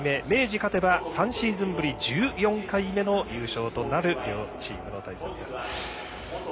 明治勝てば３シーズンぶり１４回目の優勝となる両チームの対戦です。